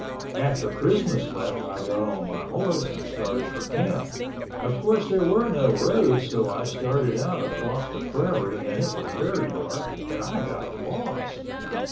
After Christmas left I got on my horse, and started for camp, of course there were no roads so I started out across the prairie, and it was very dark and I got lost.